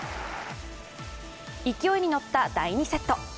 勢いに乗った第２セット。